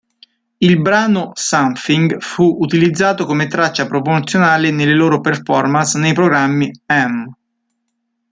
Il brano "Something" fu utilizzato come traccia promozionale nelle loro performance nei programmi "M!